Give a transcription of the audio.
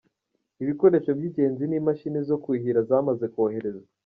Ibikoresho by’ingenzi n’imashini zo kuhira zamaze koherezwa.